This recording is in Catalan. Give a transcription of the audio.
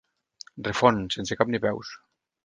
Refon, sense cap ni peus.